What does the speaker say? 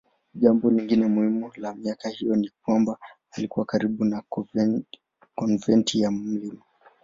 Jambo lingine muhimu la miaka hiyo ni kwamba alikuwa karibu na konventi ya Mt.